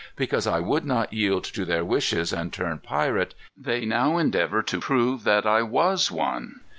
Because I would not yield to their wishes, and turn pirate, they now endeavor to prove that I was one."